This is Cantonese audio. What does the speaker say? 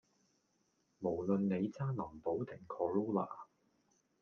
無論你揸林寶定 corolla